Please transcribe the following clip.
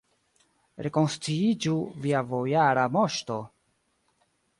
Rekonsciiĝu, via bojara moŝto!